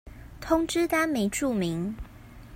通知單沒註明